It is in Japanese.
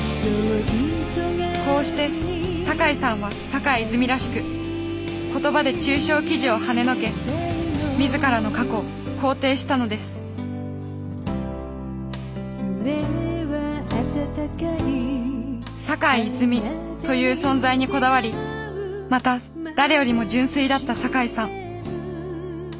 こうして坂井さんは坂井泉水らしく言葉で中傷記事をはねのけ自らの過去を肯定したのです坂井泉水という存在にこだわりまた誰よりも純粋だった坂井さん。